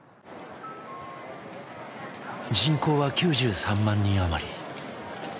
人口は９３万人余り。